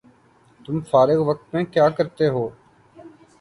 تم فارغ وقت میں کیاکرتےہو؟